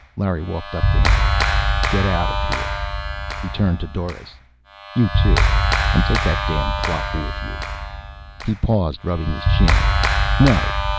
Larry walked up to him. "Get out of here." He turned to Doris. "You too. And take that damn clock with you." He paused, rubbing his chin. "No.